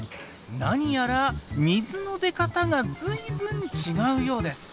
なにやら水の出方がずいぶんちがうようです。